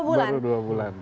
baru dua bulan